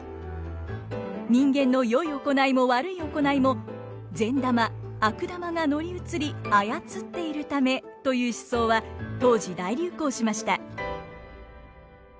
人間の善い行いも悪い行いも善玉悪玉が乗り移り操っているためという思想は当時大流行しました。